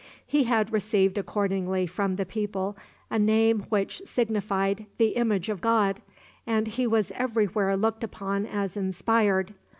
He had received accordingly from the people a name which signified the image of God, and he was every where looked upon as inspired.